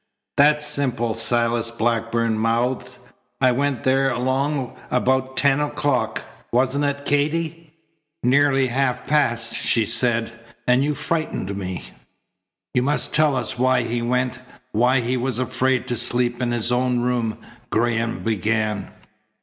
"That's simple," Silas Blackburn mouthed. "I went there along about ten o'clock, wasn't it, Katy?" "Nearly half past," she said. "And you frightened me." "He must tell us why he went, why he was afraid to sleep in his own room," Graham began.